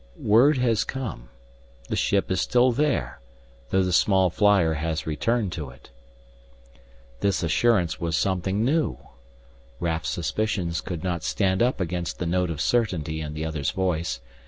"Word has come. The ship is still there, though the small flyer has returned to it." This assurance was something new. Raf's suspicions could not stand up against the note of certainty in the other's voice.